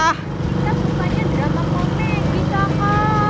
kita sukanya drama komik kita kak